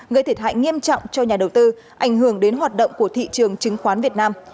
gây thiệt hại nghiêm trọng cho nhà đầu tư ảnh hưởng đến hoạt động của thị trường chứng khoán việt nam